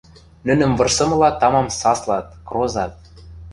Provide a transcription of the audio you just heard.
Нӹнӹм вырсымыла тамам саслат, крозат...